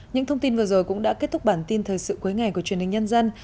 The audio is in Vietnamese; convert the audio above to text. những thông tin vừa rồi cũng đã kết thúc bản tin thời sự cuối ngày của truyền hình nhân dân